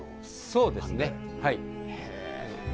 そうですねはい。